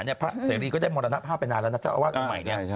เศรษฐรีก็ได้มรณภาพไปนานแล้วนะเจ้าอาวาสอาวุธใหม่